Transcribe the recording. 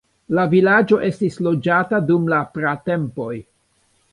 La vilaĝo estis loĝata dum la pratempoj.